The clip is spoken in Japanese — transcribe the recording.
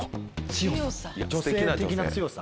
女性的な強さ。